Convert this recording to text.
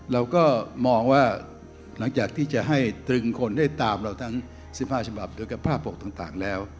เราก็มองว่าหลังจากที่จะให้ตรึงคนได้ตามเราทั้ง๑๕ฉบับโดยกับภาพปกต่างแล้ว